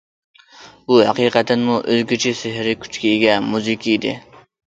بۇ ھەقىقەتەنمۇ ئۆزگىچە سېھرىي كۈچكە ئىگە مۇزىكا ئىدى.